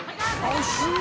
惜しい！